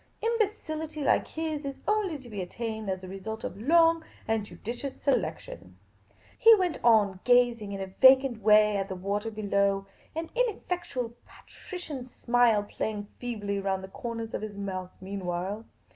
Imbecility like his is only to be attained as the result of long and judicious selection. He went on gazing in a vacant way at the water below, an ineffectual patrician smile playing feebly round the corners of his mouth meanwhile.